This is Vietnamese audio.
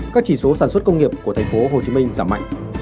các chỉ số sản xuất công nghiệp của thành phố hồ chí minh giảm mạnh